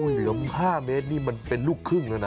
เหลือม๕เมตรนี่มันเป็นลูกครึ่งแล้วนะ